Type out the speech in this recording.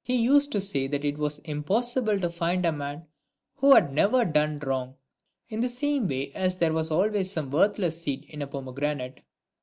He used to say that it was impossible to find a man who had never done wrong, in the same way as there was always some worthless seed in a pomegranate.